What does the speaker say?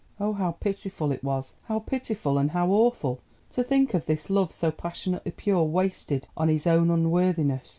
Oh, how pitiful it was—how pitiful and how awful! To think of this love, so passionately pure, wasted on his own unworthiness.